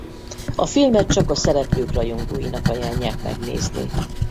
A filmet csak a szereplők rajongóinak ajánlják megnézni.